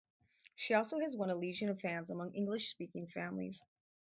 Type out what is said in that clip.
She also has won a legion of fans among English-speaking families.